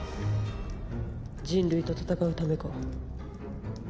人類と戦うためか。